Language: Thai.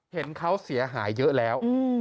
เห็นเขาเสียหายเยอะแล้ว